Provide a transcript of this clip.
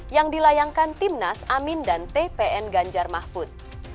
yang dilayangkan timnas amin dan tpn ganjar mahfud